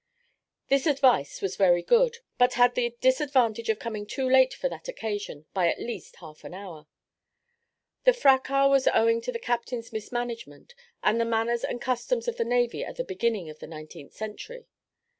This advice was very good, but had the disadvantage of coming too late for that occasion by at least half an hour. The fracas was owing to the captain's mismanagement, and the manners and customs of the navy at the beginning of the nineteenth century.